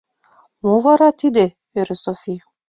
— Мо вара тиде? — ӧрӧ Софи.